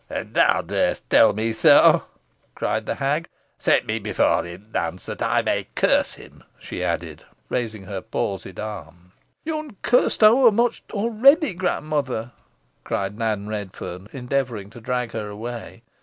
"And thou darest tell me so," cried the hag. "Set me before him, Nance, that I may curse him," she added, raising her palsied arm. "Nah, nah yo'n cursed ower much already, grandmother," cried Nan Redferne, endeavouring to drag her away.